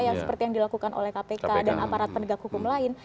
yang seperti yang dilakukan oleh kpk dan aparat penegak hukum lain